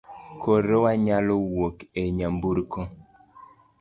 Koro wanyalo wuok e nyamburko.